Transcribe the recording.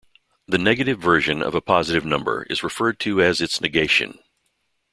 The negative version of a positive number is referred to as its negation.